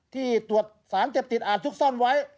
ที่ตรวจสารเจ็บติดอ่านทุกข์ซ่อนไว้